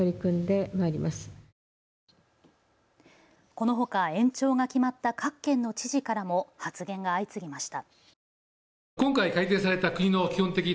このほか延長が決まった各県の知事からも発言が相次ぎました。